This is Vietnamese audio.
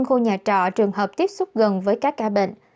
khu nhà trọ trường hợp tiếp xúc gần với các ca bệnh